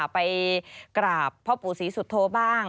ไปกราบพ่อปู่ศรีสุโธบ้าง